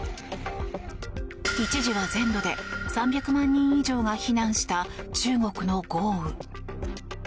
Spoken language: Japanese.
一時は全土で３００万人以上が避難した中国の豪雨。